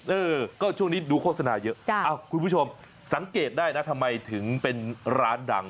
เออก็ช่วงนี้ดูโฆษณาเยอะคุณผู้ชมสังเกตได้นะทำไมถึงเป็นร้านดัง